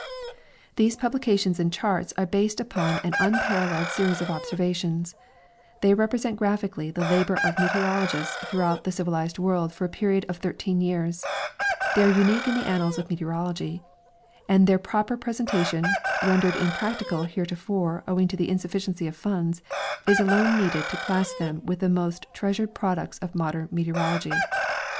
These publications and charts are based upon an uni)aralleled series of oliservations ; they rei)resent graphically the lal)or of meteorologists throughout the civilized world for a j^eriod of thir teen years ; they are unique in the annals of meteorology ; and their proper presentation, rendered impracticable heretofore owing to insufficiency of funds, is alone needed to class them with the most treasured products of modern meteorology.